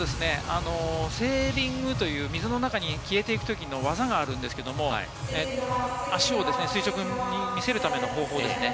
セービングという水の中に消えていくときの技があるんですけれども、足を垂直に見せるための方法ですね。